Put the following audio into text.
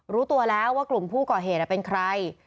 รู้ตัวแล้วว่ากลุ่มผู้ก่อเหตุเป็นใคร